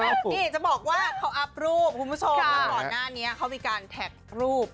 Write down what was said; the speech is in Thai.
นี่จะบอกว่าเขาอัพรูปคุณผู้ชมแล้วก่อนหน้านี้เขามีการแท็กรูป